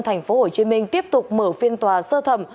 tp hcm tiếp tục mở phiên tòa sơ thẩm